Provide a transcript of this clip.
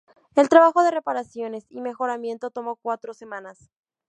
El trabajo de reparaciones y mejoramiento tomó cuatro semanas.